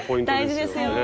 大事ですよ。